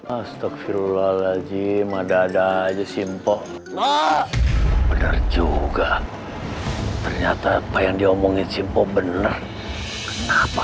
astagfirullahaladzim adzim poh bener juga ternyata apa yang diomongin simpo bener kenapa